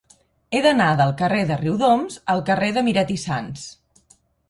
He d'anar del carrer de Riudoms al carrer de Miret i Sans.